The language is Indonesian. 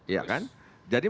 ya kan jadi